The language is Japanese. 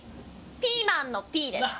ピーマンのＰです。